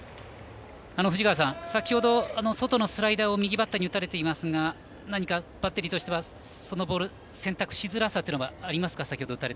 藤川さん、先ほどは外のスライダーを右バッターに打たれていますがバッテリーとしてはそのボールを選択しづらさはありますかね。